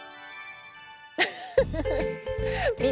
フフフフッ！